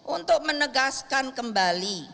untuk menegaskan kembali